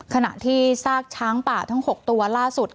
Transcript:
ขณะที่ซากช้างป่าทั้ง๖ตัวล่าสุด